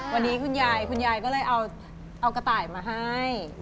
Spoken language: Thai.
วันนี้คุณยายคุณยายก็เลยเอากระต่ายมาให้